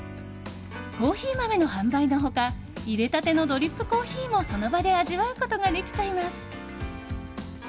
コーヒー豆の販売の他いれたてのドリップコーヒーもその場で味わうことができちゃいます。